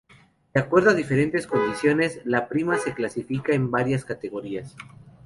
De acuerdo a diferentes condiciones, la prima se clasifica en varias categorías.